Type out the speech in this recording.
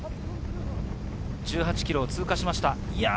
１８ｋｍを通過しました。